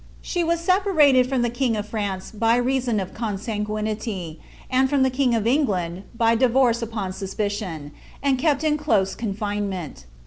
Shi was sepsraied from the king of France by rcaHon of conmn^inily, ml from (be king of England by divorce upon iuspicum, and kept in otat confinement.